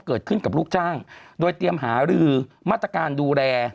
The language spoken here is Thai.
เกิดขึ้นกับลูกจ้างโดยเตรียมหารือมาตรการดูแล